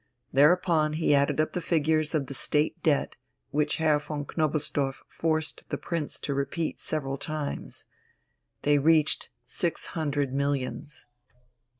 Thereupon he added up the figures of the State debt, which Herr von Knobelsdorff forced the Prince to repeat several times. They reached six hundred millions.